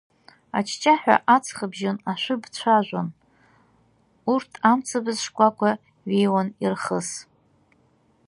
Аҷҷаҳәа аҵхыбжьон ашәыб цәажәон, урҭамцабз шкәакәа ҩеиуан ирхыс.